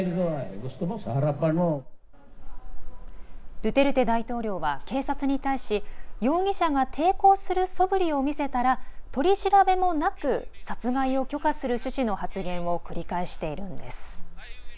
ドゥテルテ大統領は警察に対し容疑者が抵抗するそぶりを見せたら取り調べもなく殺害を許可する趣旨の発言を繰り返しているんです。